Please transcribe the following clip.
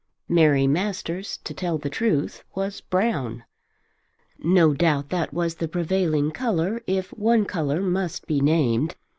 Mary Masters, to tell the truth, was brown. No doubt that was the prevailing colour, if one colour must be named.